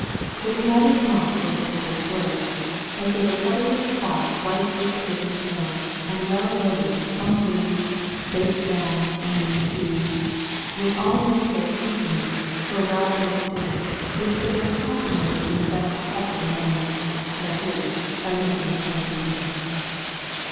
But it matters not what the tables were, as they were covered with cloth white as the driven snow, and well loaded with plum puddings, baked lamb, and green peas, with all necessary accompaniments for a well ordered dinner, which the guests complimented in the best possible manner, that is, by making a hearty meal.